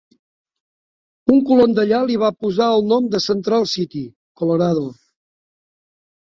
Un colon d'allà li va posar el nom per Central City (Colorado).